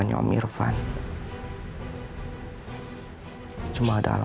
tolong jangan usir dia